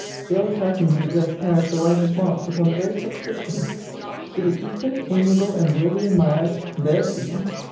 The old Triton's address carries the writer's marks upon the very subscription To the equally amiable and worthy admired [there's for you!